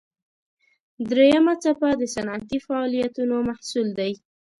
دریمه څپه د صنعتي فعالیتونو محصول دی.